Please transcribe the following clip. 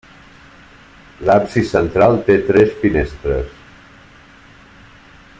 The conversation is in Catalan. L'absis central té tres finestres.